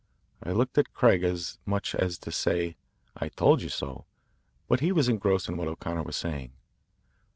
I looked at Craig as much as to say, "I told you so," but he was engrossed in what O'Connor was saying.